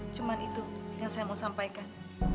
cuma itu yang saya mau sampaikan